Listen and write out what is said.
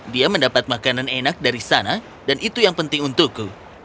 dia mendapat makanan enak dari sana dan itu yang penting untukku